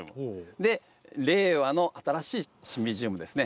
で令和の新しいシンビジウムですね。